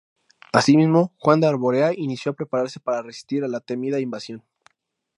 Asimismo, Juan de Arborea inició a prepararse para resistir a la temida invasión.